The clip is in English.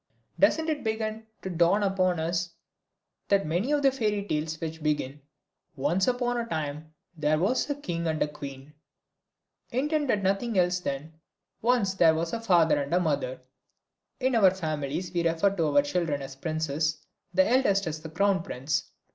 Doesn't it begin to dawn upon us that the many fairy tales which begin "Once upon a time there was a king and a queen" intend nothing else than, "Once there was a father and a mother?" In our families we refer to our children as princes, the eldest as the crown prince.